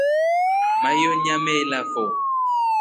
Maiyo nyameelafo.